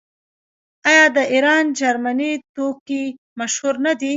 آیا د ایران چرمي توکي مشهور نه دي؟